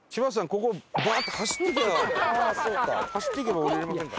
ここバーッと走っていけば走っていけば下りられませんか？